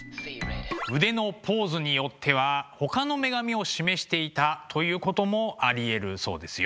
腕のポーズによってはほかの女神を示していたということもありえるそうですよ。